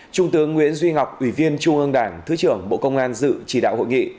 trung tướng nguyễn duy ngọc ủy viên trung ương đảng thứ trưởng bộ công an dự chỉ đạo hội nghị